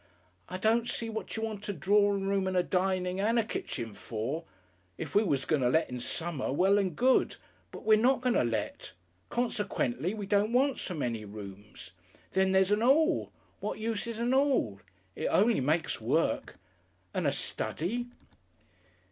"I don't see what you want a drawin' room and a dinin' and a kitchen for. If we was going to let in summer well and good. But we're not going to let. Consequently we don't want so many rooms. Then there's a 'all. What use is a 'all? It only makes work. And a study!"